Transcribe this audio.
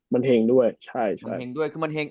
มันแห่งด้วยใช่ใช่